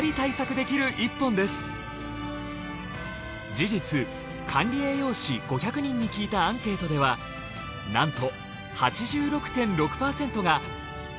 事実管理栄養士５００人に聞いたアンケートではなんと。